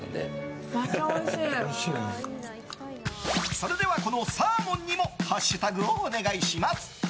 それでは、このサーモンにもハッシュタグをお願いします。